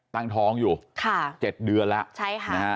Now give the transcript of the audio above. ตั้งทองอยู่๗เดือนแล้ว